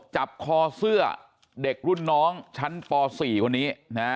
คอเสื้อเด็กรุ่นน้องชั้นป๔คนนี้